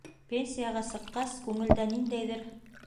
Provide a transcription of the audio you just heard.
Пенсияға сыҡҡас... күңелдә ниндәйҙер...